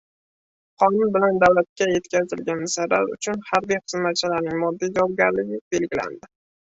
Qonun bilan davlatga yetkazilgan zarar uchun harbiy xizmatchilarning moddiy javobgarligi belgilandi